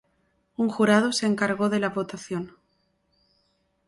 Un jurado se encargó de la votación.